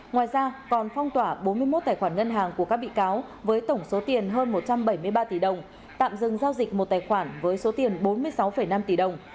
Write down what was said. ngoài ra còn phong tỏa bốn mươi một tài khoản ngân hàng của các bị cáo với tổng số tiền hơn một trăm bảy mươi ba tỷ đồng tạm dừng giao dịch một tài khoản với số tiền bốn mươi sáu năm tỷ đồng